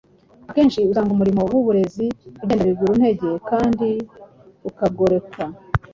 akenshi usanga umurimo w’uburezi ugenda biguru ntege kandi ukagorekwa.